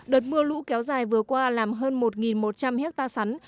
đợt mưa lũ kéo dài vừa qua làm hơn một một trăm linh hectare sắn